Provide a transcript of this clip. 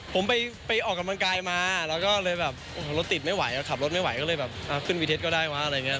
ผมไปออกกำลังกายมาแล้วก็เลยแบบโอ้โหรถติดไม่ไหวขับรถไม่ไหวก็เลยแบบขึ้นวีเท็จก็ได้วะอะไรอย่างนี้